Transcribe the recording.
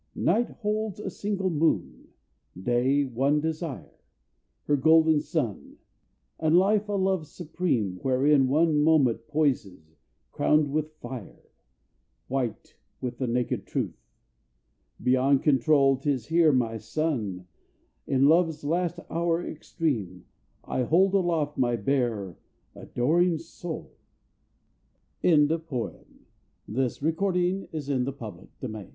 Night holds a single moon, day one desire Her golden sun; and life a love supreme, Wherein one moment poises, crowned with fire, White with the naked truth. Beyond control, 'Tis here, my Sun, in love's last hour extreme, I hold aloft my bare, adoring soul. XI The Forgiveness If I might see you dead, Belove